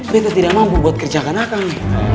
gue tuh tidak mampu buat kerjakan akang